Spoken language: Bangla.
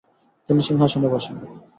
তিনি সিংহাসনে বসেন।